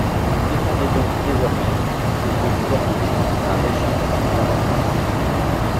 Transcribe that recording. Vous défendez donc désormais ce que vous appelez un régime par points.